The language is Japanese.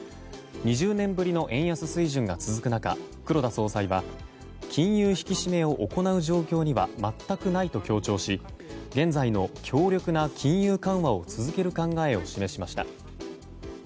２０年ぶりの円安水準が続く中黒田総裁は金融引き締めを行う状況には全くないと強調し現在の強力な金融緩和を続ける考えを示しました。